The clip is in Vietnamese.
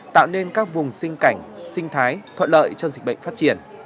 tạo nên các vùng sinh cảnh sinh thái thuận lợi cho dịch bệnh phát triển